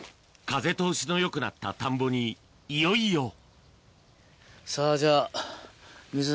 風通しのよくなった田んぼにいよいよさぁじゃあ。